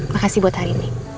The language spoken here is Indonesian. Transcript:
makasih buat hari ini